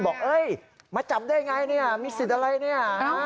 บอกเอ๊ยมาจับได้อย่างไรนี่มีสิทธิ์อะไรนี่